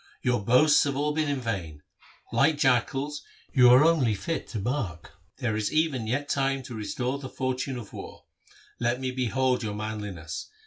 Your boasts have all been in vain. Like jackals you are only fit to bark. There is even yet time to restore the fortune of war. Let me behold your manliness.